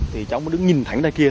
thì cháu mới đứng nhìn thẳng ra kia